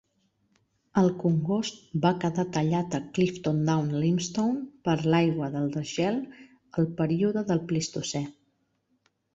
El congost va quedar tallat a Clifton Down Limestone per l'aigua del desgel al període del Plistocè.